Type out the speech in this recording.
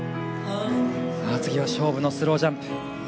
勝負のスロージャンプ。